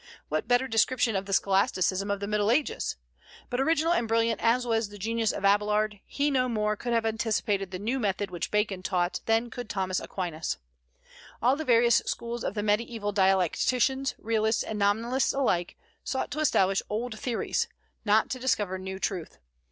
What better description of the scholasticism of the Middle Ages! But original and brilliant as was the genius of Abélard, he no more could have anticipated the new method which Bacon taught than could Thomas Aquinas. All the various schools of the mediaeval dialecticians, Realists and Nominalists alike, sought to establish old theories, not to discover new truth.